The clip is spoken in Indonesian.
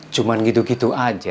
cuman gitu gitu aja